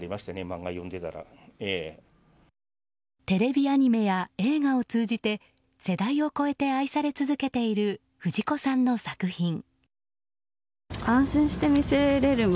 テレビアニメや映画を通じて世代を超えて愛され続けている藤子さんの作品。